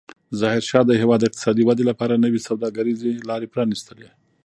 ظاهرشاه د هېواد د اقتصادي ودې لپاره نوې سوداګریزې لارې پرانستلې.